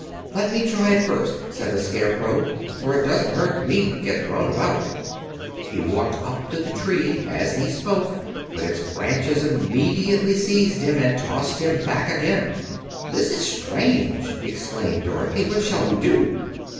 "Let me try it first," said the Scarecrow, "for it doesn't hurt me to get thrown about." He walked up to another tree, as he spoke, but its branches immediately seized him and tossed him back again. "This is strange," exclaimed Dorothy. "What shall we do?"